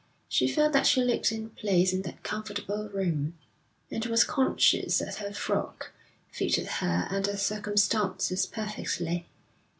She felt that she looked in place in that comfortable room, and was conscious that her frock fitted her and the circumstances perfectly.